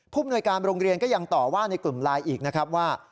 มนวยการโรงเรียนก็ยังต่อว่าในกลุ่มไลน์อีกนะครับว่า